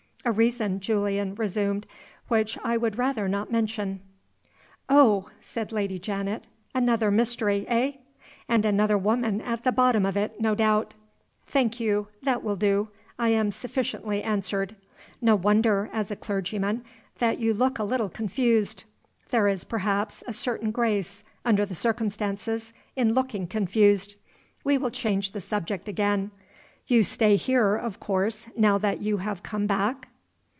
"A reason," Julian resumed, "which I would rather not mention." "Oh!" said Lady Janet. "Another mystery eh? And another woman at the bottom of it, no doubt. Thank you that will do I am sufficiently answered. No wonder, as a clergyman, that you look a little confused. There is, perhaps, a certain grace, under the circumstances, in looking confused. We will change the subject again. You stay here, of course, now you have come back?"